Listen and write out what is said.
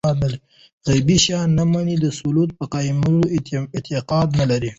غيبي شيان نه مني، د صلوة په قائمولو اعتقاد نه لري